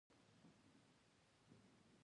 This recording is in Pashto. رسوب د افغانستان په طبیعت کې یو مهم رول لري.